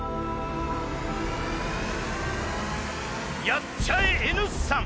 やっちゃえＮ産。